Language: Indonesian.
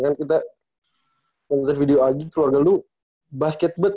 kan kita nonton video augie keluarga lu bahkan nonton sama teh